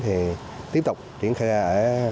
thì tiếp tục triển khai